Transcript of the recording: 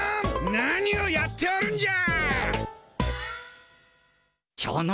何をやっておるんじゃ！